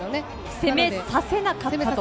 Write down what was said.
攻めさせなかったと。